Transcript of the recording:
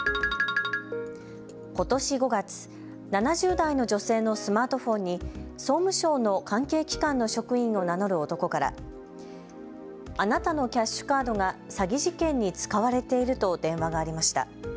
ことし５月、７０代の女性のスマートフォンに総務省の関係機関の職員を名乗る男からあなたのキャッシュカードが詐欺事件に使われていると電話がありました。